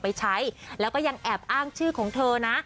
ไปใช้แล้วก็ยังแอบอ้างชื่อของเธอนะ